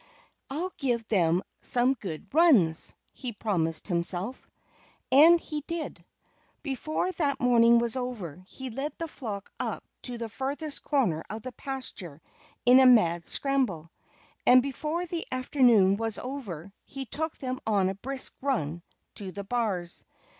"I'll give them some good runs!" he promised himself. And he did. Before that morning was over he led the flock up to the furthest corner of the pasture in a mad scramble. And before the afternoon was over he took them on a brisk run to the bars.